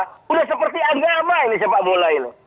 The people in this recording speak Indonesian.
sudah seperti agama ini sepak bola ini